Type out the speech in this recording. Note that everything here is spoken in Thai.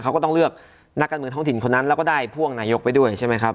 เขาก็ต้องเลือกนักการเมืองท้องถิ่นคนนั้นแล้วก็ได้พ่วงนายกไปด้วยใช่ไหมครับ